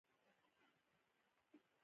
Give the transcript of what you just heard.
افغانان هم خودکفا کیدی شي.